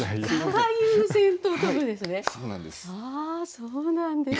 そうなんです。